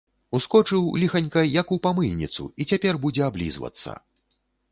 Ускочыў, ліханька, як у памыйніцу, і цяпер будзе аблізвацца.